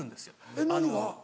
えっ何が？